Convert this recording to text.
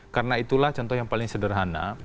karena itulah contoh yang paling sederhana